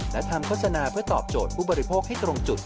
และทำโฆษณาเพื่อตอบโจทย์ผู้บริโภคให้ตรงจุด